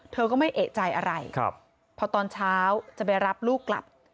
เธอก็ไม่เอกใจอะไรพอตอนเช้าจะไปรับลูกกลับ